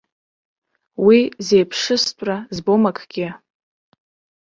Уи зеиԥшыстәра збом акгьы!